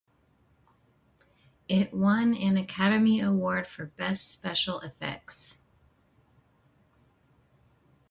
It won an Academy Award for Best Special Effects.